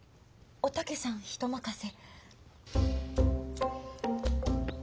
おたけさん人任せ。